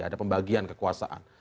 ada pembagian kekuasaan